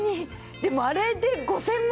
でもあれで５０００万？